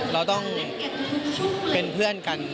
เราต้องเป็นเพื่อนกัน